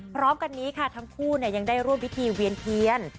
พร้อมกันนี้ค่ะทั้งคู่ยังได้ร่วมพิธีเวียนเทียน